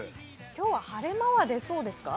今日は晴れ間は出そうですか？